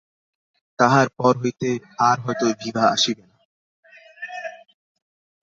– তাহার পর হইতে আর হয়তো বিভা আসিবে না।